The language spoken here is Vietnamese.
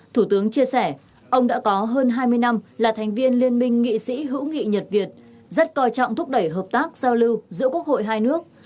thủ tướng chia sẻ ông đã có hơn hai mươi năm là thành viên liên minh nghị sĩ hữu nghị nhật việt rất coi trọng thúc đẩy hợp tác giao lưu giữa quốc hội hai nước